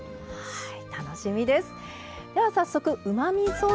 はい。